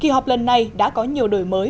học lần này đã có nhiều đổi mới